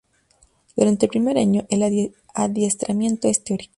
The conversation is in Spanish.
Durante el primer año, el adiestramiento es teórico.